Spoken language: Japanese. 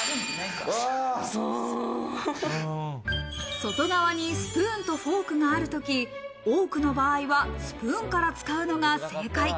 外側にスプーンとフォークがあるとき多くの場合はスプーンから使うのが正解。